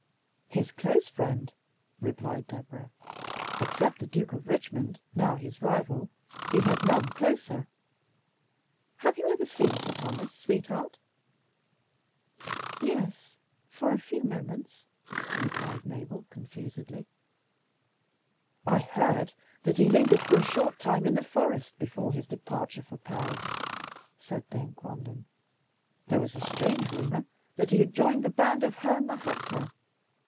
"His close friend," replied Deborah; "except the Duke of Richmond, now his rival, he had none closer. Have you ever seen Sir Thomas, sweetheart?" "Yes, for a few moments," replied Mabel confusedly. "I heard that he lingered for a short time in the forest before his departure for Paris," said Dame Quanden. "There was a strange rumour that he had joined the band of Herne the Hunter.